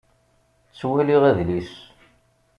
Ttwaliɣ adlis.